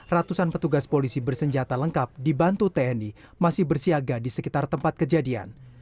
ratusan petugas polisi bersenjata lengkap dibantu tni masih bersiaga di sekitar tempat kejadian